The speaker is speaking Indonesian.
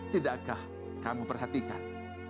tidakkah kamu perhatikan